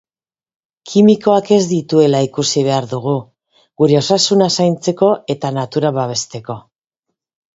Kimikoak ez dituela ikusi behar dugu, gure osasuna zaintzeko eta natura babesteko.